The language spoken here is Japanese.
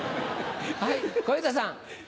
はい小遊三さん。